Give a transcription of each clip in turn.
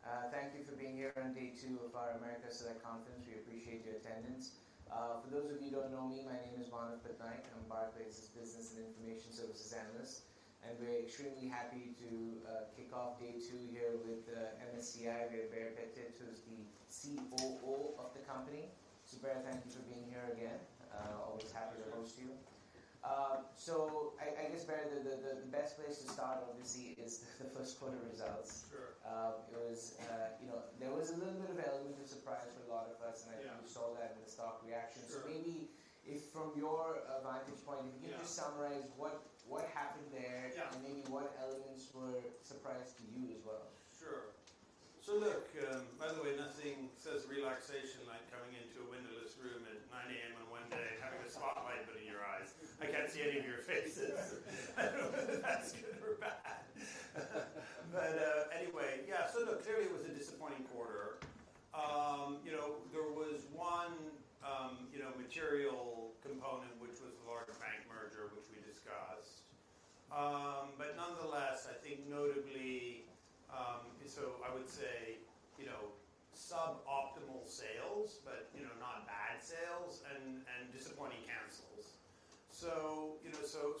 Good morning, everybody. Thank you for being here on Day Two of our Americas Select Conference. We appreciate your attendance. For those of you who don't know me, my name is Manav Patnaik. I'm Barclays' Business and Information Services Analyst, and we're extremely happy to kick off Day Two here with MSCI. We have Baer Pettit, who's the COO of the company. So, Baer, thank you for being here again. Always happy to host you. So I guess, Baer, the best place to start, obviously, is the first quarter results. Sure. It was, you know, there was a little bit of element of surprise for a lot of us, and I think. Sure. We saw that in the stock reaction. Sure. Maybe if from your vantage point, if you can just summarize what happened there. Yeah. Maybe what elements were surprised to you as well? Sure. So, look, by the way, nothing says relaxation like coming into a windowless room at 9:00 A.M. on Monday and having a spotlight put in your eyes. I can't see any of your faces. I don't know if that's good or bad. But, anyway, yeah, so look, clearly it was a disappointing quarter. You know, there was one, you know, material component, which was the large bank merger, which we discussed. But nonetheless, I think notably,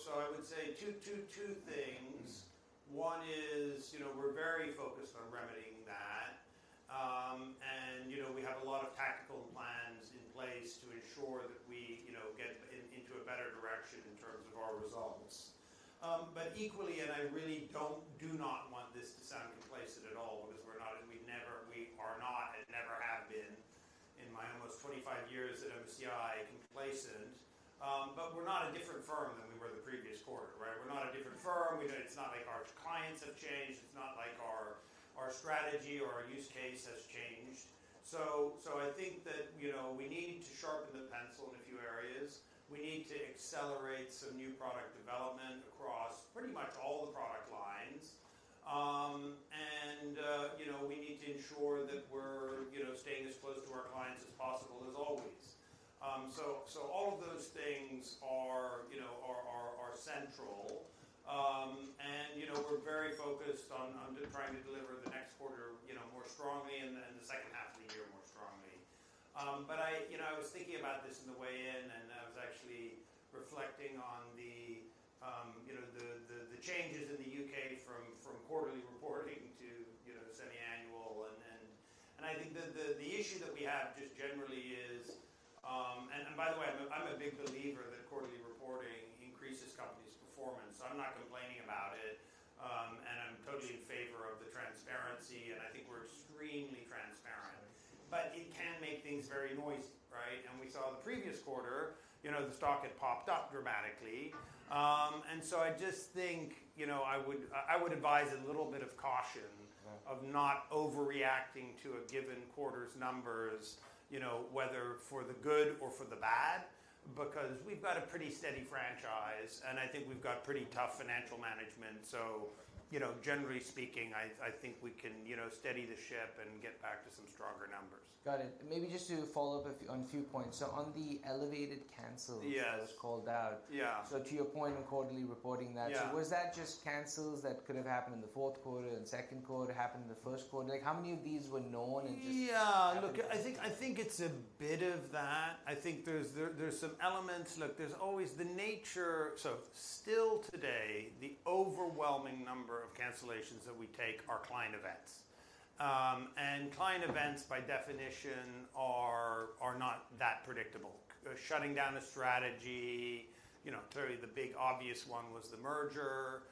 so I would say, you know, suboptimal sales, but, you know, not bad sales, and, and disappointing cancels. So, you know, so, so I would say two, two, two things. One is, you know, we're very focused on remedying that. And, you know, we have a lot of tactical plans in place to ensure that we, you know, get in, into a better direction in terms of our results. Equally, I really do not want this to sound complacent at all because we're not, and we never, we are not, and never have been in my almost 25 years at MSCI, complacent. We're not a different firm than we were the previous quarter, right? We're not a different firm. It's not like our clients have changed. It's not like our strategy or our use case has changed. So I think that, you know, we need to sharpen the pencil in a few areas. We need to accelerate some new product development across pretty much all the product lines. You know, we need to ensure that we're, you know, staying as close to our clients as possible as always. So all of those things are, you know, central. You know, we're very focused on trying to deliver the next quarter, you know, more strongly and the second half of the year more strongly. But I, you know, I was thinking about this on the way in, and I was actually reflecting on the, you know, the changes in the U.K. from quarterly reporting to, you know, semi-annual. And I think that the issue that we have just generally is, and by the way, I'm a big believer that quarterly reporting increases companies' performance. So I'm not complaining about it. And I'm totally in favor of the transparency, and I think we're extremely transparent. But it can make things very noisy, right? And we saw the previous quarter, you know, the stock had popped up dramatically. and so I just think, you know, I would advise a little bit of caution. Mm-hmm. Of not overreacting to a given quarter's numbers, you know, whether for the good or for the bad because we've got a pretty steady franchise, and I think we've got pretty tough financial management. So, you know, generally speaking, I, I think we can, you know, steady the ship and get back to some stronger numbers. Got it. Maybe just to follow up a few on a few points. So on the elevated cancels. Yes. That was called out. Yeah. So to your point on quarterly reporting that. Yeah. So was that just cancels that could have happened in the fourth quarter and second quarter, happened in the first quarter? Like, how many of these were known and just. Yeah. Look, I think it's a bit of that. I think there's some elements. Look, there's always the nature so still today, the overwhelming number of cancellations that we take are client events. And client events, by definition, are not that predictable. Shutting down a strategy, you know, clearly the big obvious one was the merger.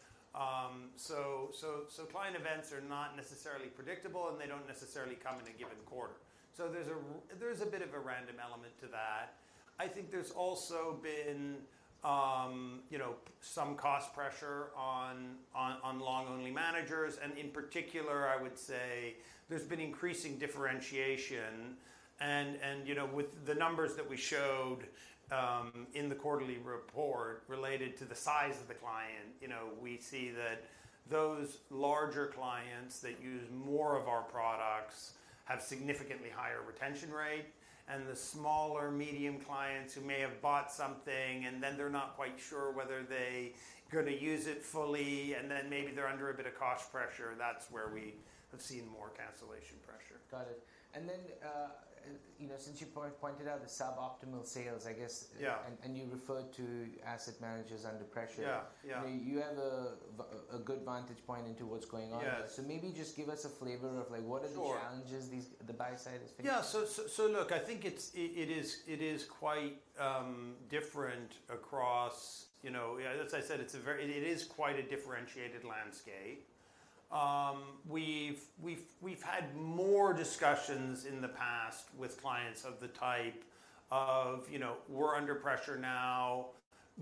So client events are not necessarily predictable, and they don't necessarily come in a given quarter. So there's a bit of a random element to that. I think there's also been, you know, some cost pressure on long-only managers. And in particular, I would say there's been increasing differentiation. You know, with the numbers that we showed, in the quarterly report related to the size of the client, you know, we see that those larger clients that use more of our products have significantly higher retention rate. And the smaller medium clients who may have bought something, and then they're not quite sure whether they're gonna use it fully, and then maybe they're under a bit of cost pressure, that's where we have seen more cancellation pressure. Got it. And then, you know, since you pointed out the suboptimal sales, I guess. Yeah. And you referred to asset managers under pressure. Yeah. Yeah. You have a very good vantage point into what's going on there. Yeah. Maybe just give us a flavor of, like, what are the challenges? Sure. These the buy side is facing. Yeah. So look, I think it's quite different across, you know, yeah, as I said, it's a very differentiated landscape. We've had more discussions in the past with clients of the type of, you know, "We're under pressure now.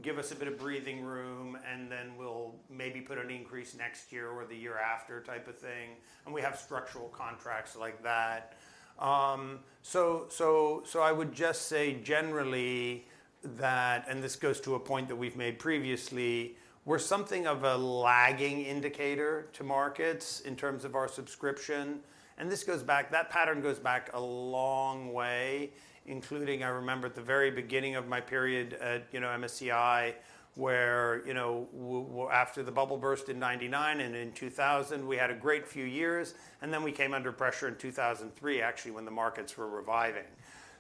Give us a bit of breathing room, and then we'll maybe put an increase next year or the year after," type of thing. And we have structural contracts like that. So I would just say generally that, and this goes to a point that we've made previously. We're something of a lagging indicator to markets in terms of our subscription. And this goes back, that pattern goes back a long way, including I remember at the very beginning of my period at, you know, MSCI where, you know, after the bubble burst in 1999 and in 2000, we had a great few years, and then we came under pressure in 2003, actually, when the markets were reviving.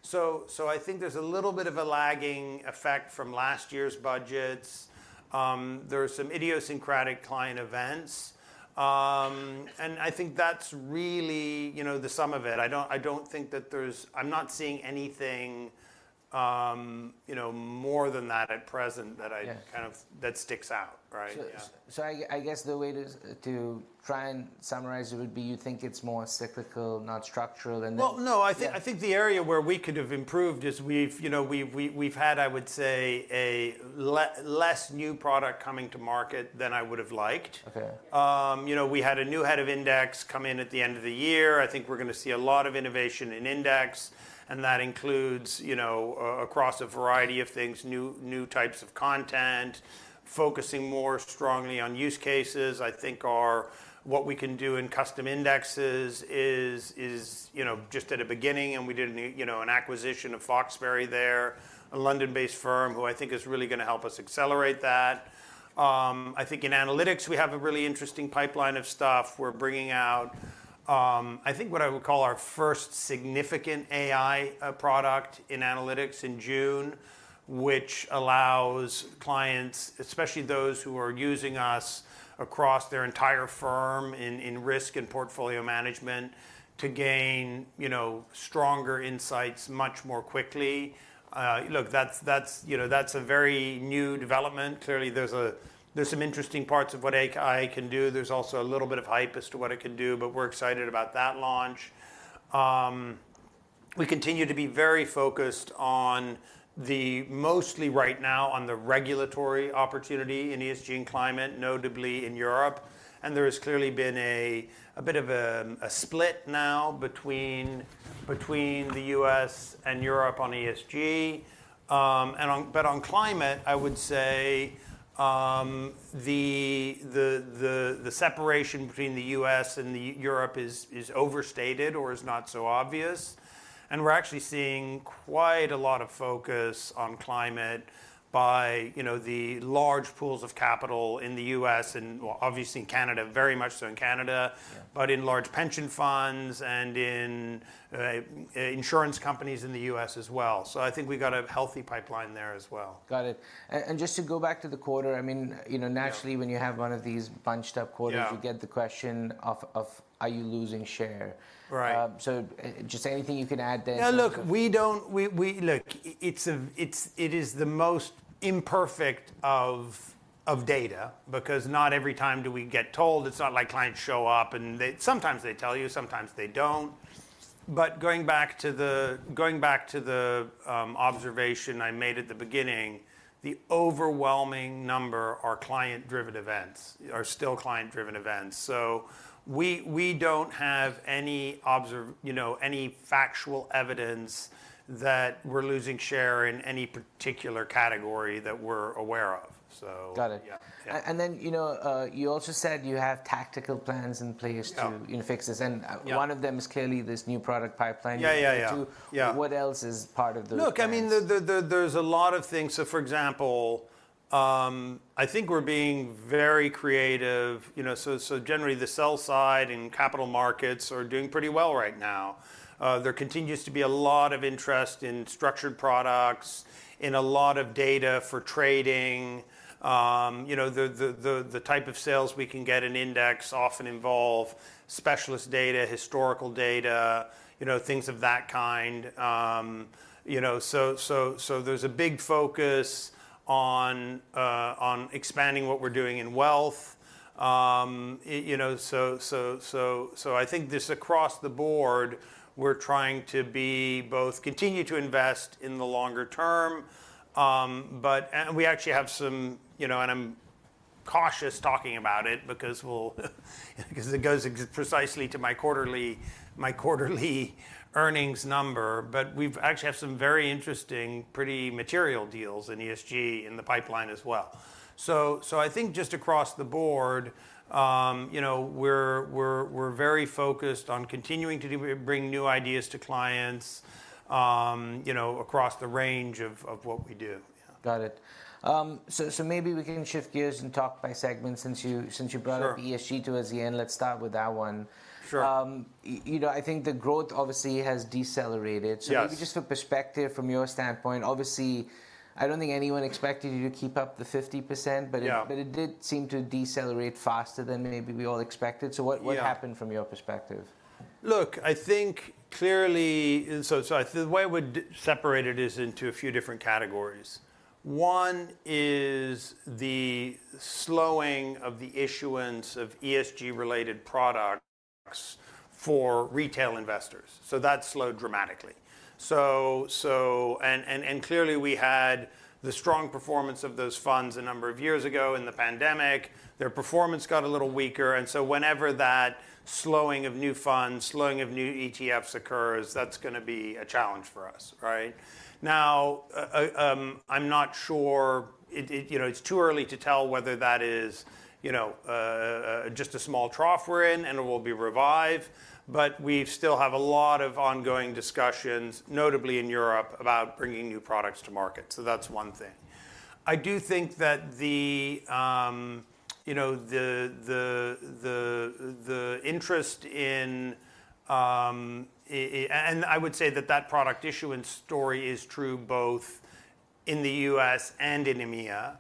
So, so I think there's a little bit of a lagging effect from last year's budgets. There are some idiosyncratic client events. And I think that's really, you know, the sum of it. I don't, I don't think that there's. I'm not seeing anything, you know, more than that at present that I. Yeah. Kind of that sticks out, right? Yeah. So, I guess the way to try and summarize it would be you think it's more cyclical, not structural, and then. Well, no. I think the area where we could have improved is, you know, we've had, I would say, a less new product coming to market than I would have liked. Okay. You know, we had a new head of index come in at the end of the year. I think we're gonna see a lot of innovation in index, and that includes, you know, across a variety of things, new types of content, focusing more strongly on use cases. I think our what we can do in custom indexes is, you know, just at the beginning, and we did a new, you know, an acquisition of Foxberry there, a London-based firm who I think is really gonna help us accelerate that. I think in Analytics, we have a really interesting pipeline of stuff we're bringing out. I think what I would call our first significant AI product in analytics in June, which allows clients, especially those who are using us across their entire firm in risk and portfolio management, to gain, you know, stronger insights much more quickly. Look, that's, that's you know, that's a very new development. Clearly, there's some interesting parts of what AI can do. There's also a little bit of hype as to what it can do, but we're excited about that launch. We continue to be very focused on the mostly right now on the regulatory opportunity in ESG and Climate, notably in Europe. And there has clearly been a bit of a split now between the U.S. and Europe on ESG. But on Climate, I would say the separation between the U.S. and Europe is overstated or is not so obvious. And we're actually seeing quite a lot of focus on Climate by, you know, the large pools of capital in the U.S. and, well, obviously in Canada, very much so in Canada. Yeah. But in large pension funds and in, insurance companies in the U.S. as well. So I think we got a healthy pipeline there as well. Got it. And just to go back to the quarter, I mean, you know, naturally. Yeah. When you have one of these bunched-up quarters. Yeah. You get the question of, "Are you losing share? Right. So it just anything you can add there. Now, look, we don't, we look. It's, it's, it is the most imperfect of data because not every time do we get told. It's not like clients show up, and they sometimes tell you. Sometimes they don't. But going back to the observation I made at the beginning, the overwhelming number are client-driven events, are still client-driven events. So we don't have any observable, you know, any factual evidence that we're losing share in any particular category that we're aware of, so. Got it. Yeah. Yeah. And then, you know, you also said you have tactical plans in place to. Sure. You know, fix this. And. Yeah. One of them is clearly this new product pipeline. Yeah, yeah, yeah. You have to do. Yeah. What else is part of the. Look, I mean, there's a lot of things. So, for example, I think we're being very creative. You know, generally, the sell side in capital markets are doing pretty well right now. There continues to be a lot of interest in structured products, in a lot of data for trading. You know, the type of sales we can get in index often involve specialist data, historical data, you know, things of that kind. You know, there's a big focus on expanding what we're doing in wealth. I, you know, I think just across the board, we're trying to both continue to invest in the longer term, but and we actually have some, you know, and I'm cautious talking about it because it goes exactly to my quarterly earnings number. But we've actually have some very interesting, pretty material deals in ESG in the pipeline as well. So I think just across the board, you know, we're very focused on continuing to do bring new ideas to clients, you know, across the range of what we do. Yeah. Got it. So maybe we can shift gears and talk by segment since you brought up. Sure. ESG toward the end. Let's start with that one. Sure. You know, I think the growth obviously has decelerated. Yeah. Maybe just for perspective from your standpoint, obviously, I don't think anyone expected you to keep up the 50%. Yeah. It did seem to decelerate faster than maybe we all expected. What happened? Yeah. From your perspective? Look, I think clearly, and so I think the way we're separated is into a few different categories. One is the slowing of the issuance of ESG-related products for retail investors. So that slowed dramatically. So and clearly, we had the strong performance of those funds a number of years ago in the pandemic. Their performance got a little weaker. And so whenever that slowing of new funds, slowing of new ETFs occurs, that's gonna be a challenge for us, right? Now, I'm not sure it you know, it's too early to tell whether that is, you know, just a small trough we're in and it will be revived. But we still have a lot of ongoing discussions, notably in Europe, about bringing new products to market. So that's one thing. I do think that, you know, the interest in, and I would say that that product issuance story is true both in the U.S. and in EMEA.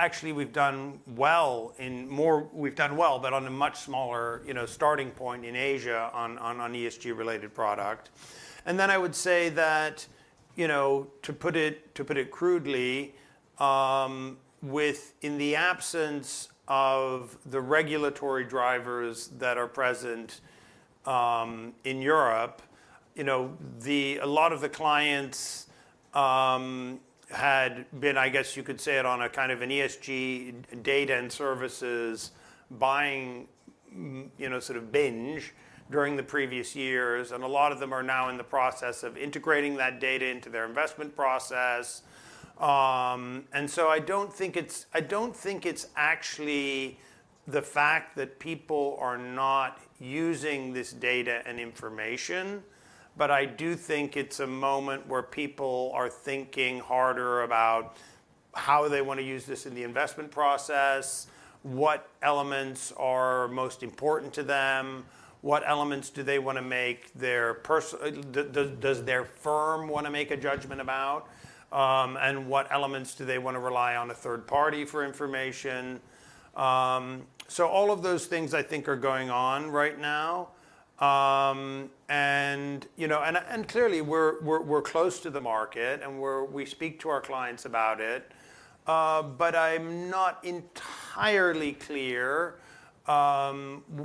Actually, we've done well, but on a much smaller, you know, starting point in Asia on ESG-related product. And then I would say that, you know, to put it crudely, within the absence of the regulatory drivers that are present in Europe, you know, a lot of the clients had been, I guess you could say, on a kind of an ESG data and services buying, you know, sort of binge during the previous years. And a lot of them are now in the process of integrating that data into their investment process. And so I don't think it's actually the fact that people are not using this data and information, but I do think it's a moment where people are thinking harder about how they wanna use this in the investment process, what elements are most important to them, what elements do they wanna make their personal decisions, does their firm wanna make a judgment about, and what elements do they wanna rely on a third party for information. So all of those things, I think, are going on right now. And, you know, clearly, we're close to the market, and we speak to our clients about it. But I'm not entirely clear what,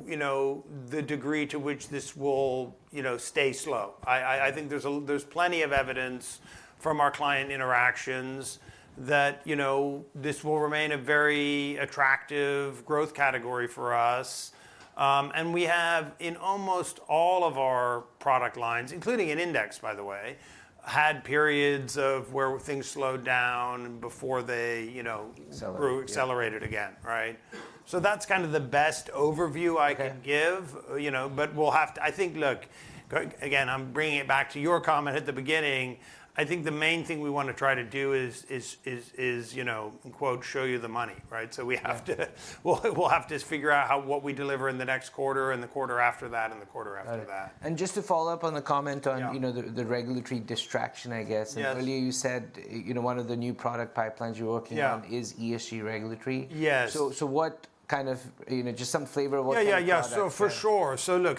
you know, the degree to which this will, you know, stay slow. I think there's plenty of evidence from our client interactions that, you know, this will remain a very attractive growth category for us. And we have in almost all of our product lines, including in index, by the way, had periods of where things slowed down before they, you know. Accelerated. Growth accelerated again, right? So that's kind of the best overview. Okay. I can give, you know, but we'll have to, I think. I'm bringing it back to your comment at the beginning. I think the main thing we wanna try to do is, you know, in quotes, "show you the money," right? So we have to. Yeah. We'll have to figure out how what we deliver in the next quarter and the quarter after that and the quarter after that. Got it. And just to follow up on the comment on. Yeah. You know, the regulatory distraction, I guess. Yeah. Earlier, you said, you know, one of the new product pipelines you're working on. Yeah. Is ESG regulatory? Yes. So, what kind of, you know, just some flavor of what the product is? Yeah, yeah, yeah. So for sure. So look,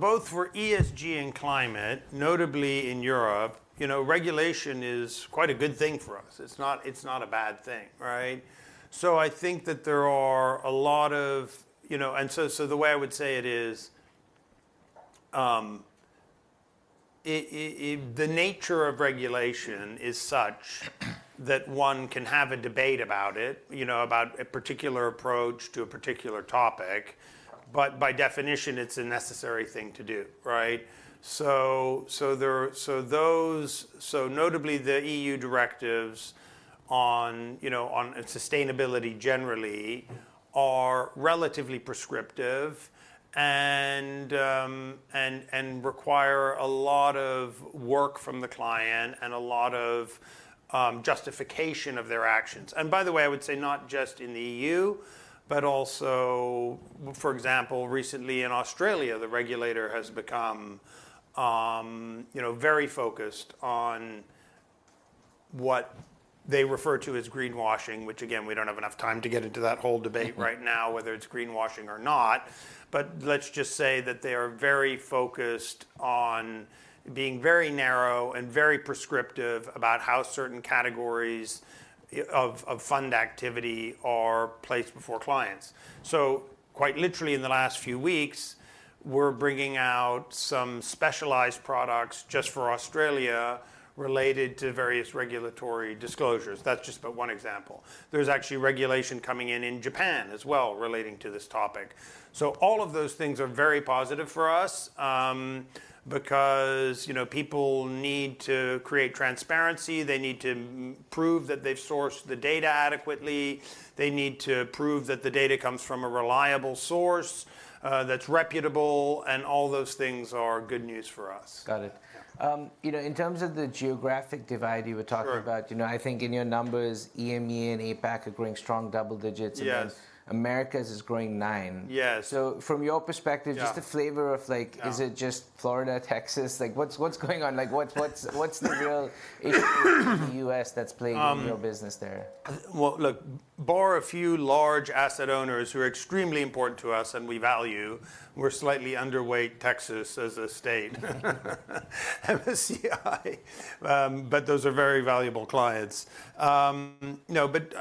both for ESG and Climate, notably in Europe, you know, regulation is quite a good thing for us. It's not a bad thing, right? So I think that there are a lot of, you know, and so the way I would say it is, if the nature of regulation is such that one can have a debate about it, you know, about a particular approach to a particular topic, but by definition, it's a necessary thing to do, right? So those, notably, the EU directives on, you know, on sustainability generally are relatively prescriptive and require a lot of work from the client and a lot of justification of their actions. And by the way, I would say not just in the EU, but also, for example, recently, in Australia, the regulator has become, you know, very focused on what they refer to as greenwashing, which, again, we don't have enough time to get into that whole debate. Right. Right now, whether it's greenwashing or not. But let's just say that they are very focused on being very narrow and very prescriptive about how certain categories of fund activity are placed before clients. So quite literally, in the last few weeks, we're bringing out some specialized products just for Australia related to various regulatory disclosures. That's just but one example. There's actually regulation coming in in Japan as well relating to this topic. So all of those things are very positive for us, because, you know, people need to create transparency. They need to prove that they've sourced the data adequately. They need to prove that the data comes from a reliable source, that's reputable. And all those things are good news for us. Got it. Yeah. You know, in terms of the geographic divide you were talking. Yeah. About, you know, I think in your numbers, EMEA and APAC are growing strong, double digits. Yes. And then America's is growing 9. Yes. From your perspective. Yeah. Just a flavor of, like, is it just Florida, Texas? Like, what's, what's, what's the real issue in the U.S. that's playing in your business there? Well, look, barring a few large asset owners who are extremely important to us and we value, we're slightly underweight Texas as a state for MSCI. But those are very valuable clients. No, but,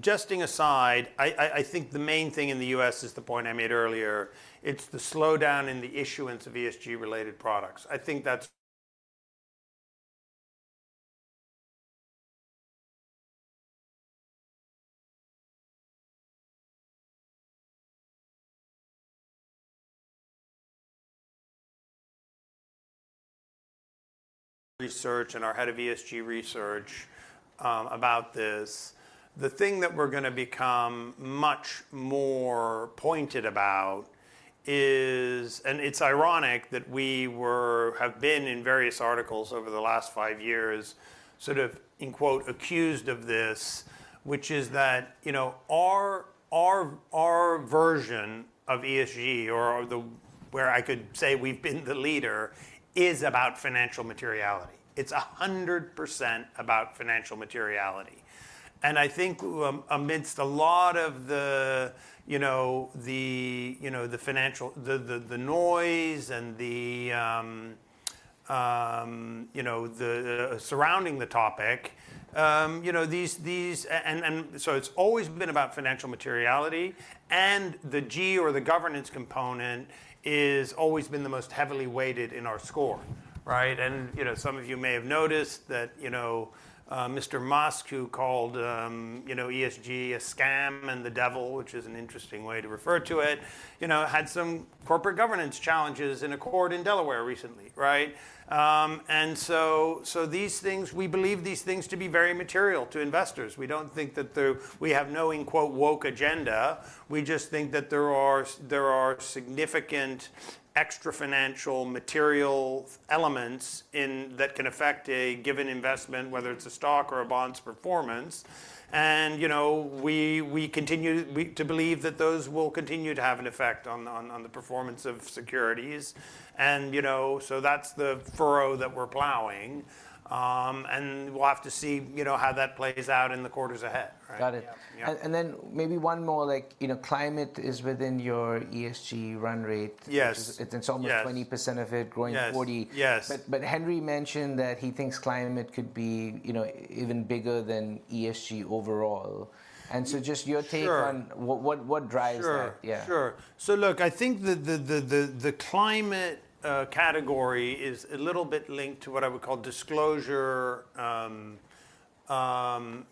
joking aside, I think the main thing in the US is the point I made earlier. It's the slowdown in the issuance of ESG-related products. I think that's. Research and our head of ESG Research, about this. The thing that we're gonna become much more pointed about is and it's ironic that we have been in various articles over the last five years sort of in quotes, "accused of this," which is that, you know, our version of ESG or where I could say we've been the leader is about financial materiality. It's 100% about financial materiality. I think, amidst a lot of the, you know, the financial noise and the, you know, surrounding the topic, you know, these, these and, and so it's always been about financial materiality, and the G or the governance component is always been the most heavily weighted in our score, right? And, you know, some of you may have noticed that, you know, Mr. Musk, who called, you know, ESG a scam and the devil, which is an interesting way to refer to it, you know, had some corporate governance challenges in a court in Delaware recently, right? And so, so these things we believe these things to be very material to investors. We don't think that. We have no "woke agenda." We just think that there are significant extra-financial material elements that can affect a given investment, whether it's a stock or a bond's performance. And, you know, we continue to believe that those will continue to have an effect on the performance of securities. And, you know, so that's the furrow that we're plowing, and we'll have to see, you know, how that plays out in the quarters ahead, right? Got it. Yeah. And then maybe one more, like, you know, Climate is within your ESG run rate. Yes. It's almost. Yes. 20% of it, growing. Yes. 40. Yes. But Henry mentioned that he thinks Climate could be, you know, even bigger than ESG overall. Sure. Just your take on. Sure. What drives that? Sure. Yeah. Sure. So look, I think the Climate category is a little bit linked to what I would call disclosure,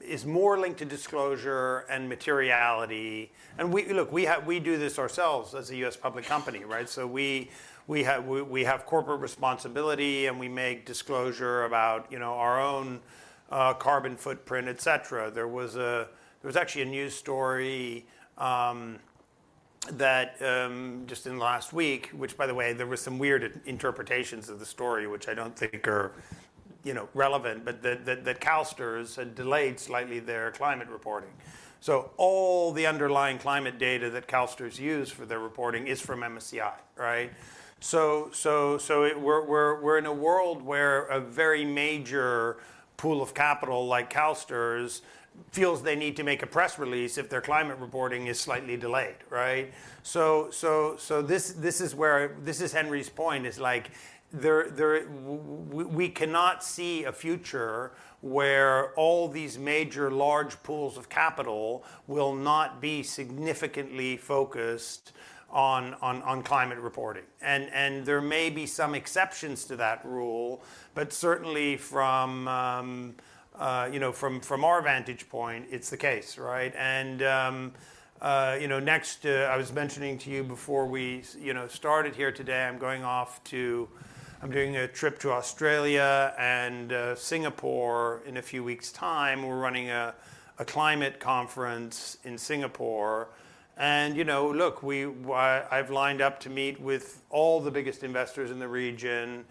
is more linked to disclosure and materiality. And we look, we do this ourselves as a U.S. public company, right? So we, we have corporate responsibility, and we make disclosure about, you know, our own carbon footprint, etc. There was actually a news story that just in last week, which by the way there were some weird interpretations of the story, which I don't think are, you know, relevant, but that CalSTRS had delayed slightly their Climate reporting. So all the underlying Climate data that CalSTRS use for their reporting is from MSCI, right? So we're in a world where a very major pool of capital like CalSTRS feels they need to make a press release if their Climate reporting is slightly delayed, right? So this is where, this is Henry's point, is, like, we cannot see a future where all these major large pools of capital will not be significantly focused on Climate reporting. And there may be some exceptions to that rule, but certainly from, you know, our vantage point, it's the case, right? And, you know, next, I was mentioning to you before we, you know, started here today, I'm going off to, I'm doing a trip to Australia and Singapore in a few weeks' time. We're running a Climate conference in Singapore. And, you know, look, I've lined up to meet with all the biggest investors in the region,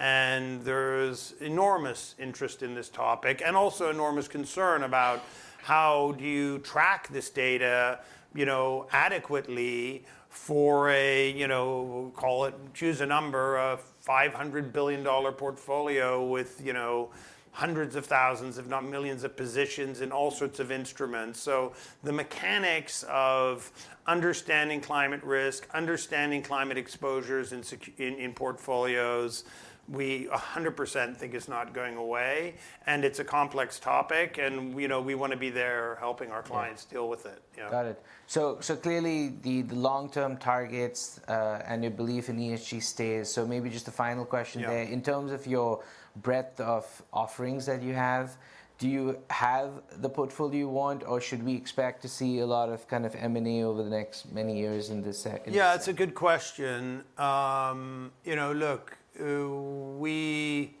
and there's enormous interest in this topic and also enormous concern about how do you track this data, you know, adequately for a, you know, we'll call it choose a number, a $500 billion portfolio with, you know, hundreds of thousands, if not millions of positions in all sorts of instruments. So the mechanics of understanding Climate risk, understanding Climate exposures in securities in portfolios, we 100% think is not going away. And it's a complex topic. And, you know, we wanna be there helping our clients deal with it, you know? Got it. So clearly, the long-term targets, and your belief in ESG stays. So maybe just a final question. Yeah. In terms of your breadth of offerings that you have, do you have the portfolio you want, or should we expect to see a lot of kind of M&A over the next many years in this sector in this? Yeah. It's a good question. You know, look, we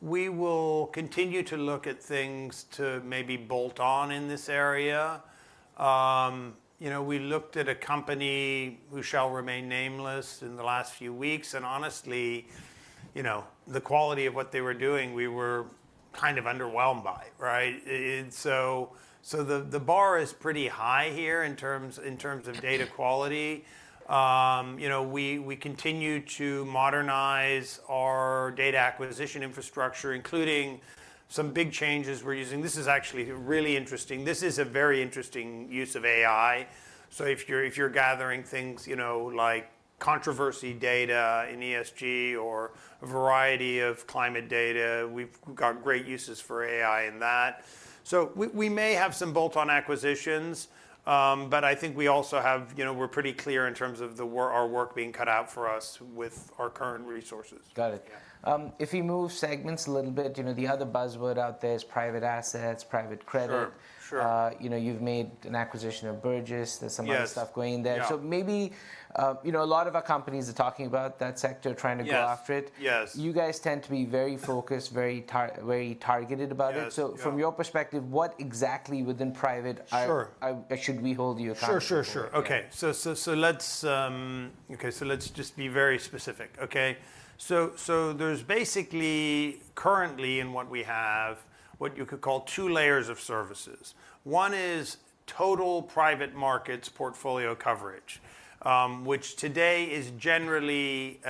will continue to look at things to maybe bolt on in this area. You know, we looked at a company who shall remain nameless in the last few weeks. And honestly, you know, the quality of what they were doing, we were kind of underwhelmed by, right? It's so, so the bar is pretty high here in terms of data quality. You know, we continue to modernize our data acquisition infrastructure, including some big changes we're using. This is actually really interesting. This is a very interesting use of AI. So if you're gathering things, you know, like controversy data in ESG or a variety of Climate data, we've got great uses for AI in that. So we may have some bolt-on acquisitions, but I think we also have, you know, we're pretty clear in terms of the work being cut out for us with our current resources. Got it. Yeah. If we move segments a little bit, you know, the other buzzword out there is private assets, private credit. Sure. Sure. You know, you've made an acquisition of Burgiss. There's some other. Yeah. Stuff going there. So maybe, you know, a lot of our companies are talking about that sector, trying to go after it. Yes. Yes. You guys tend to be very focused, very targeted about it. Yes. From your perspective, what exactly within private are? Sure. Should we hold you accountable? Sure. Okay. So let's just be very specific, okay? So there's basically currently, in what we have, what you could call two layers of services. One is total private markets portfolio coverage, which today is generally,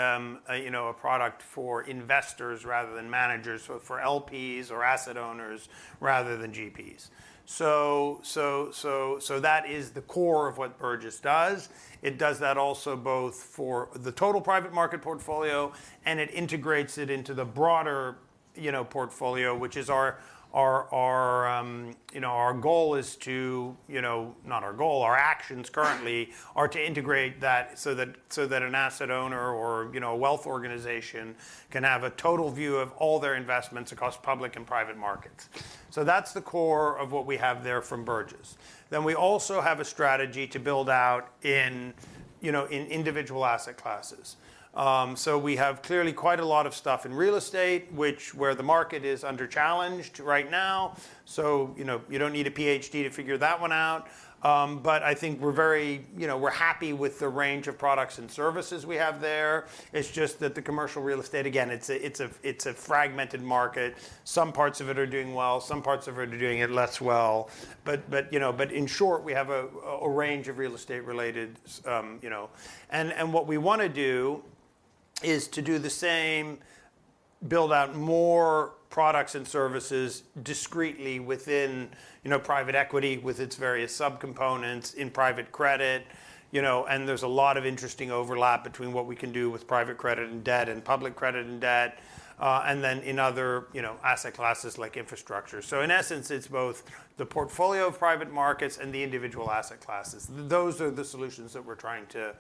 you know, a product for investors rather than managers, so for LPs or asset owners rather than GPs. So that is the core of what Burgiss does. It does that also both for the total private market portfolio, and it integrates it into the broader, you know, portfolio, which is our, you know, our goal is to, you know, not our goal. Our actions currently are to integrate that so that an asset owner or, you know, a wealth organization can have a total view of all their investments across public and private markets. So that's the core of what we have there from Burgiss. Then we also have a strategy to build out in, you know, in individual asset classes. So we have clearly quite a lot of stuff in real estate, which, where the market is under challenge right now. So, you know, you don't need a PhD to figure that one out. But I think we're very, you know, we're happy with the range of products and services we have there. It's just that the commercial real estate again, it's a, it's a, it's a fragmented market. Some parts of it are doing well. Some parts of it are doing it less well. But, but, you know, but in short, we have a, a, a range of real estate-related services, you know. And what we wanna do is to do the same, build out more products and services discretely within, you know, private equity with its various subcomponents, in private credit, you know. And there's a lot of interesting overlap between what we can do with private credit and debt and public credit and debt, and then in other, you know, asset classes like infrastructure. So in essence, it's both the portfolio of private markets and the individual asset classes. Those are the solutions that we're trying to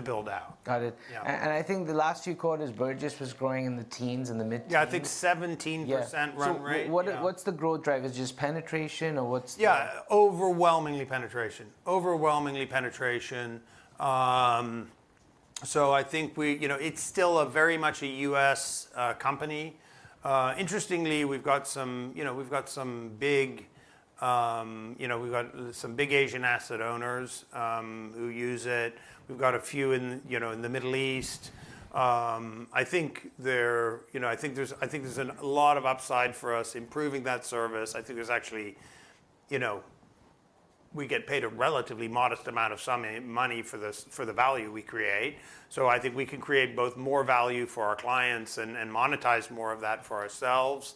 build out. Got it. Yeah. And I think the last few quarters, Burgiss was growing in the teens and the mid-teens. Yeah. I think 17% run rate. So what's the growth drive? Is it just penetration, or what's the? Yeah. Overwhelmingly penetration. Overwhelmingly penetration. So I think we, you know, it's still very much a U.S. company. Interestingly, we've got some, you know, we've got some big, you know, we've got some big Asian asset owners who use it. We've got a few in the, you know, in the Middle East. I think they're, you know, I think there's, I think there's a lot of upside for us improving that service. I think there's actually, you know, we get paid a relatively modest amount of some money for the value we create. So I think we can create both more value for our clients and monetize more of that for ourselves.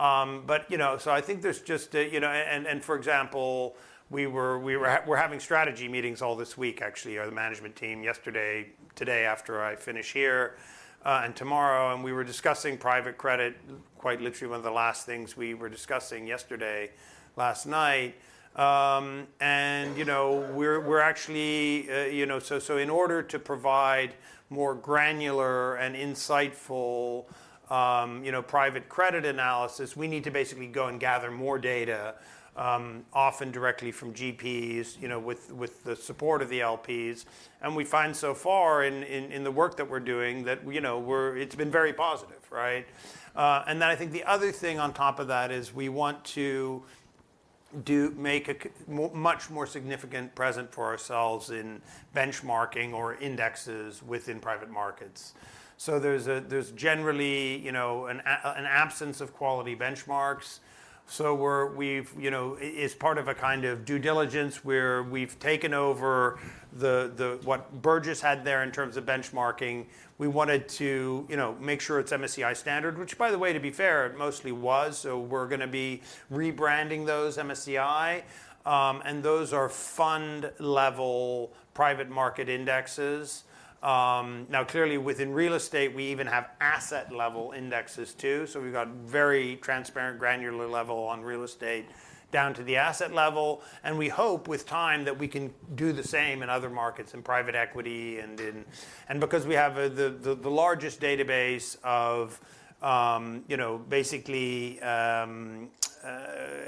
but, you know, so I think there's just a, you know, and for example, we were having strategy meetings all this week, actually, or the management team yesterday, today after I finish here, and tomorrow. And we were discussing private credit, quite literally one of the last things we were discussing yesterday, last night. And, you know, we're actually, you know, so in order to provide more granular and insightful, you know, private credit analysis, we need to basically go and gather more data, often directly from GPs, you know, with the support of the LPs. And we find so far in the work that we're doing that, you know, it's been very positive, right? And then I think the other thing on top of that is we want to make a much more significant presence for ourselves in benchmarking and indexes within private markets. So there's generally, you know, an absence of quality benchmarks. So we've you know, it's part of a kind of due diligence where we've taken over the what Burgiss had there in terms of benchmarking. We wanted to, you know, make sure it's MSCI standard, which, by the way, to be fair, it mostly was. So we're gonna be rebranding those MSCI. And those are fund-level private market indexes. Now clearly, within real estate, we even have asset-level indexes too. So we've got very transparent, granular level on real estate down to the asset level. We hope with time that we can do the same in other markets in private equity and because we have the largest database of, you know, basically,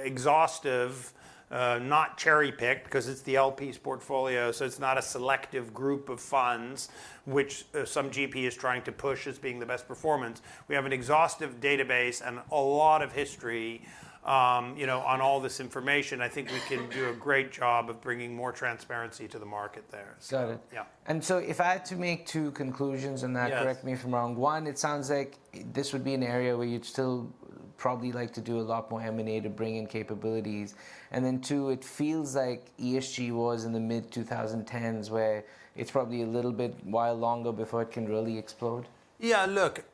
exhaustive, not cherry-picked 'cause it's the LPs portfolio. So it's not a selective group of funds, which some GP is trying to push as being the best performance. We have an exhaustive database and a lot of history, you know, on all this information. I think we can do a great job of bringing more transparency to the market there. Got it. Yeah. And so if I had to make two conclusions. Yeah. That corrects me from wrong. One, it sounds like this would be an area where you'd still probably like to do a lot more M&A to bring in capabilities. And then two, it feels like ESG was in the mid-2010s where it's probably a little bit while longer before it can really explode. Yeah. Look,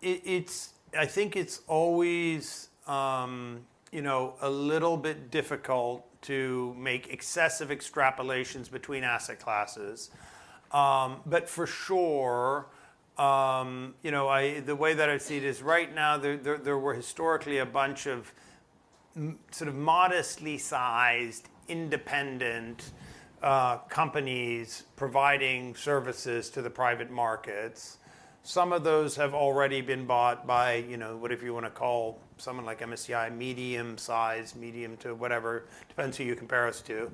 it's I think it's always, you know, a little bit difficult to make excessive extrapolations between asset classes. But for sure, you know, the way that I see it is right now, there were historically a bunch of sort of modestly sized, independent companies providing services to the private markets. Some of those have already been bought by, you know, whatever you wanna call, someone like MSCI, medium-sized, medium to whatever - depends who you compare us to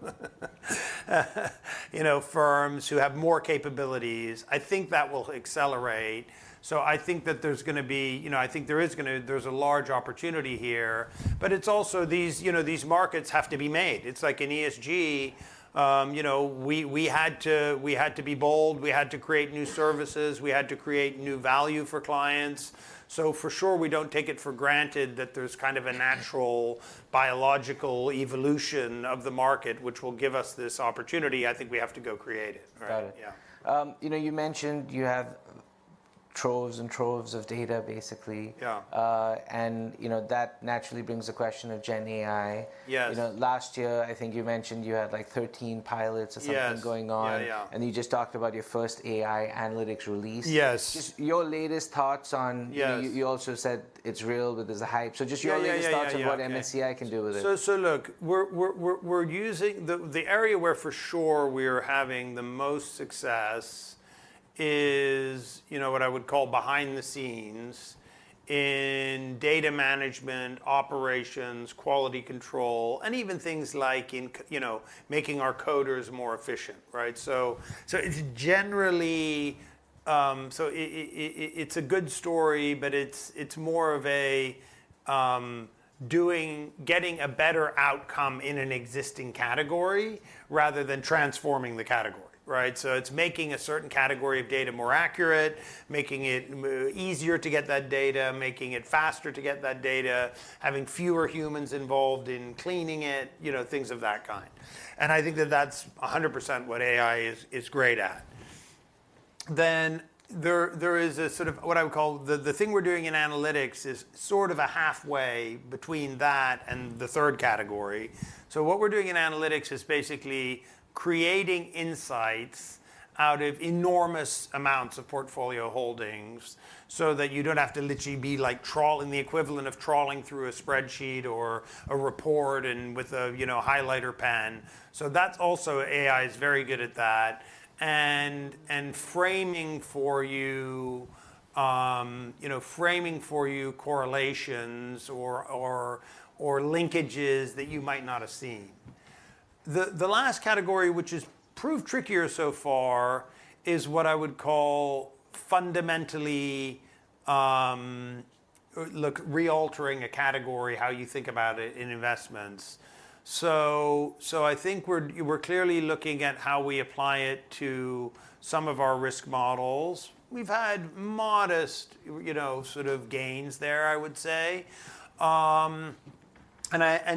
- you know, firms who have more capabilities. I think that will accelerate. So I think that there's gonna be you know, a large opportunity here. But it's also these you know, these markets have to be made. It's like in ESG, you know, we had to be bold. We had to create new services. We had to create new value for clients. So for sure, we don't take it for granted that there's kind of a natural biological evolution of the market, which will give us this opportunity. I think we have to go create it, right? Got it. Yeah. You know, you mentioned you have troves and troves of data, basically. Yeah. you know, that naturally brings the question of Gen AI. Yes. You know, last year, I think you mentioned you had, like, 13 pilots or something. Yes. Yeah, yeah. Going on. You just talked about your first AI analytics release. Yes. Just your latest thoughts on. Yes. You know, you also said it's real, but there's a hype. So just your latest thoughts. Yeah. On what MSCI can do with it. So look, we're using the area where for sure we are having the most success is, you know, what I would call behind the scenes in data management, operations, quality control, and even things like in you know, making our coders more efficient, right? So it's generally, it's a good story, but it's more of a doing getting a better outcome in an existing category rather than transforming the category, right? So it's making a certain category of data more accurate, making it easier to get that data, making it faster to get that data, having fewer humans involved in cleaning it, you know, things of that kind. And I think that's 100% what AI is great at. Then there is a sort of what I would call the thing we're doing in analytics is sort of a halfway between that and the third category. So what we're doing in analytics is basically creating insights out of enormous amounts of portfolio holdings so that you don't have to literally be like trawling the equivalent of trawling through a spreadsheet or a report and with a, you know, highlighter pen. So that's also AI is very good at that and framing for you, you know, framing for you correlations or linkages that you might not have seen. The last category, which has proved trickier so far, is what I would call fundamentally, look, re-altering a category, how you think about it in investments. So I think we're clearly looking at how we apply it to some of our risk models. We've had modest, you know, sort of gains there, I would say.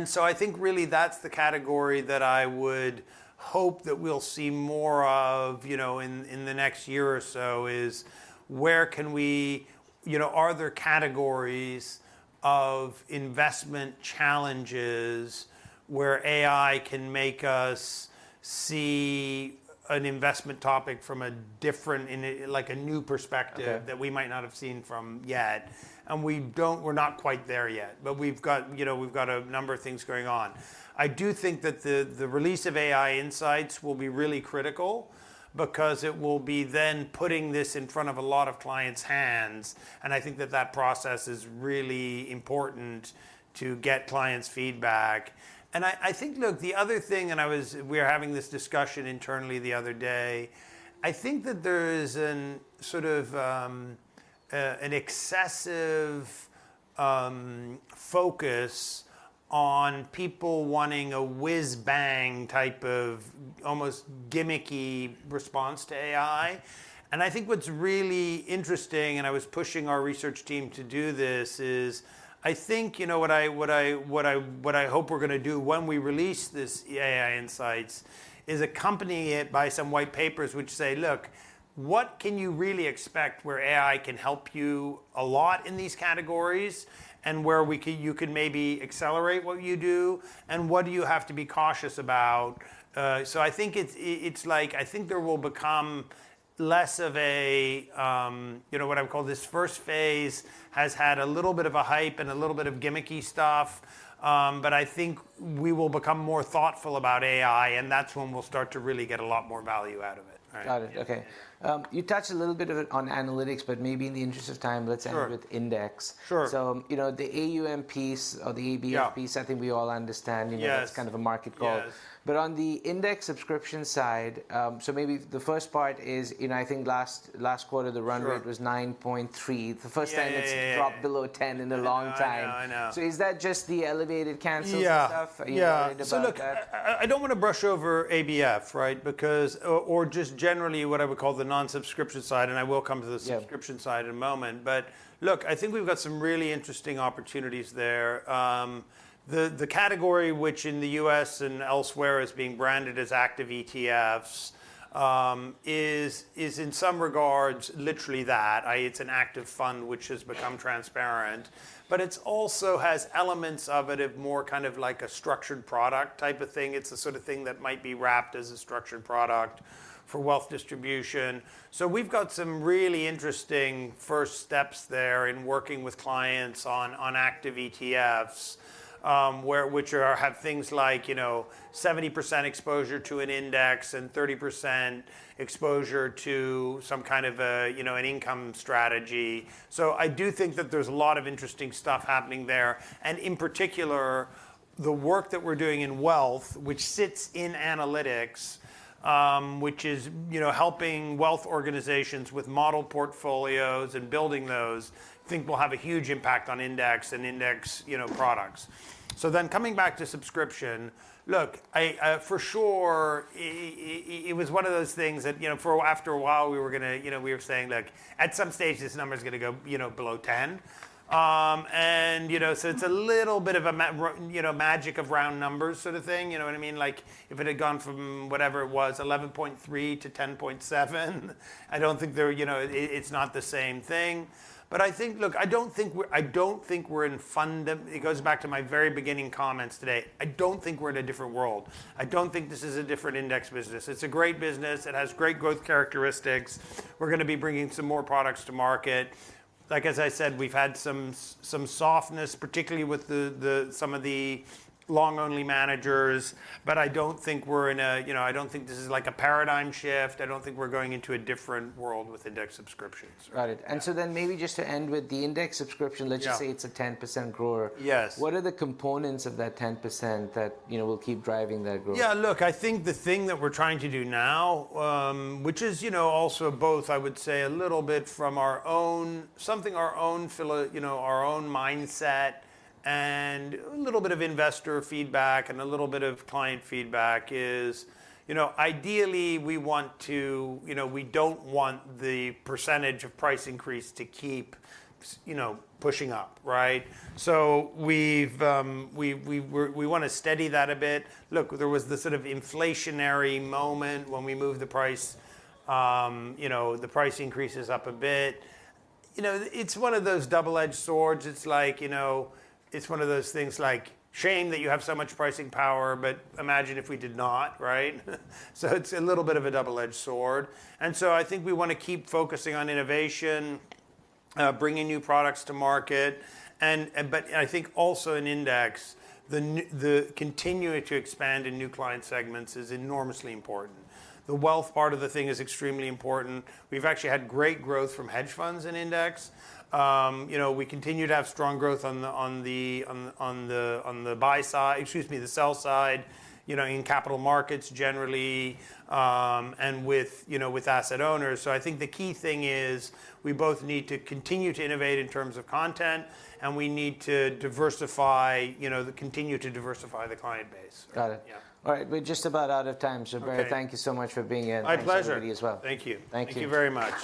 So I think really that's the category that I would hope that we'll see more of, you know, in the next year or so is where can we, you know, are there categories of investment challenges where AI can make us see an investment topic from a different angle, like a new perspective. Okay. That we might not have seen from yet. We don't, we're not quite there yet. But we've got, you know, we've got a number of things going on. I do think that the release of AI Insights will be really critical because it will be then putting this in front of a lot of clients' hands. And I think that process is really important to get clients' feedback. And I think, look, the other thing, and we were having this discussion internally the other day. I think that there is a sort of an excessive focus on people wanting a whiz-bang type of almost gimmicky response to AI. I think what's really interesting - and I was pushing our research team to do this - is I think, you know, what I hope we're gonna do when we release this AI Insights is accompany it by some white papers which say, "Look, what can you really expect where AI can help you a lot in these categories and where you can maybe accelerate what you do? And what do you have to be cautious about?" So I think it's, it's like I think there will become less of a, you know, what I would call this first phase has had a little bit of a hype and a little bit of gimmicky stuff. But I think we will become more thoughtful about AI, and that's when we'll start to really get a lot more value out of it, right? Got it. Okay. You touched a little bit of it on analytics, but maybe in the interest of time, let's end. Sure. With index. Sure. So, you know, the AUM piece or the ABF piece. Yes. I think we all understand. Yes. You know, it's kind of a market call. Yes. But on the index subscription side, so maybe the first part is, you know, I think last, last quarter, the run rate. Yeah. Was 9.3. The first time. Yeah. It's dropped below 10 in a long time. I know, I know. Is that just the elevated cancels and stuff? Yeah. Are you worried about that? Yeah. So look, I don't wanna brush over ABF, right, because or just generally what I would call the non-subscription side and I will come to the subscription side. Yeah. In a moment. But look, I think we've got some really interesting opportunities there. The category which in the U.S. and elsewhere is being branded as active ETFs is in some regards literally that. It's an active fund which has become transparent. But it also has elements of more kind of like a structured product type of thing. It's the sort of thing that might be wrapped as a structured product for wealth distribution. So we've got some really interesting first steps there in working with clients on active ETFs, which have things like, you know, 70% exposure to an index and 30% exposure to some kind of a, you know, an income strategy. So I do think that there's a lot of interesting stuff happening there. And in particular, the work that we're doing in wealth, which sits in analytics, which is, you know, helping wealth organizations with model portfolios and building those, I think will have a huge impact on index and index, you know, products. So then coming back to subscription, look, I, for sure, it was one of those things that, you know, for, after a while, we were gonna, you know, we were saying, "Look, at some stage, this number's gonna go, you know, below 10." And, you know, so it's a little bit of a, you know, magic of round numbers sort of thing. You know what I mean? Like, if it had gone from whatever it was, 11.3 to 10.7, I don't think there, you know, it's not the same thing. But I think, look, I don't think we're in a funk. It goes back to my very beginning comments today. I don't think we're in a different world. I don't think this is a different index business. It's a great business. It has great growth characteristics. We're gonna be bringing some more products to market. Like, as I said, we've had some softness, particularly with some of the long-only managers. But I don't think we're in a—you know—I don't think this is, like, a paradigm shift. I don't think we're going into a different world with index subscriptions, right? Got it. And so then maybe just to end with the index subscription. Yeah. Let's just say it's a 10% grower. Yes. What are the components of that 10% that, you know, will keep driving that growth? Yeah. Look, I think the thing that we're trying to do now, which is, you know, also both, I would say, a little bit from our own something our own philosophy, you know, our own mindset and a little bit of investor feedback and a little bit of client feedback is, you know, ideally, we want to, you know, we don't want the percentage of price increase to keep, you know, pushing up, right? So we wanna steady that a bit. Look, there was the sort of inflationary moment when we moved the price, you know, the price increases up a bit. You know, it's one of those double-edged swords. It's like, you know, it's one of those things, like, such a shame that you have so much pricing power, but imagine if we did not, right? So it's a little bit of a double-edged sword. And so I think we want to keep focusing on innovation, bringing new products to market. But I think also in index, then to continue to expand in new client segments is enormously important. The wealth part of the thing is extremely important. We've actually had great growth from hedge funds in index. You know, we continue to have strong growth on the buy side, excuse me, the sell side, you know, in capital markets generally, and with, you know, with asset owners. So I think the key thing is we both need to continue to innovate in terms of content, and we need to diversify, you know, then continue to diversify the client base, right? Got it. Yeah. All right. We're just about out of time. So, Baer. Yeah. Thank you so much for being in. My pleasure. Thank you to you as well. Thank you. Thank you. Thank you very much.